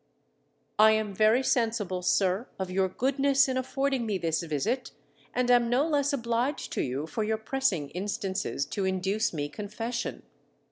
_I am very sensible, sir, of your goodness in affording me this visit and am no less obliged to you for your pressing instances to induce me confession.